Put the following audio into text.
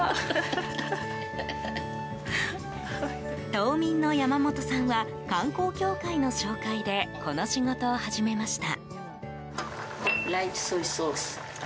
島民の山本さんは観光協会の紹介でこの仕事を始めました。